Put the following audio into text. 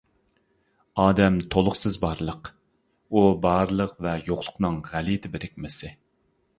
ئادەم-تولۇقسىز بارلىق، ئۇ بارلىق ۋە يوقلۇقنىڭ غەلىتە بىرىكمىسى.